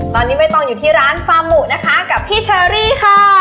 ตอนนี้ไม่ต้องอยู่ที่ร้านฟาร์หมูนะคะกับพี่เชอรี่ค่ะ